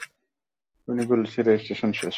উনি বলছে রেজিস্ট্রেশন শেষ।